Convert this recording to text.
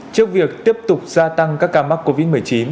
trước việc tiếp tục gia tăng các ca mắc covid một mươi chín